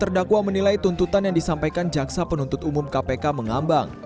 terdakwa menilai tuntutan yang disampaikan jaksa penuntut umum kpk mengambang